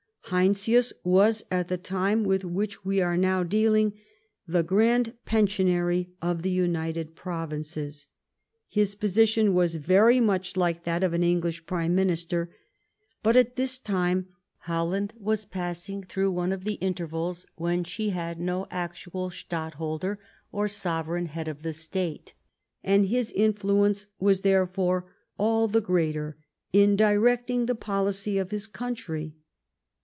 Heinsius was, at the time with which we are now dealing, the Grand Pensionary of the United Provinces, His po sition was very much like that of an English prime minister, but at this time Holland was passing through one of the intervals when she had no actual Stadholder or sovereign head of the state, and his influence was, therefore, all the greater in directing the policy of his country.